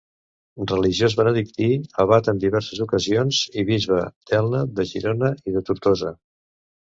Religiós benedictí, abat en diverses ocasions, i bisbe d'Elna, de Girona i de Tortosa.